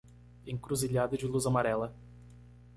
Encruzilhada de luz amarela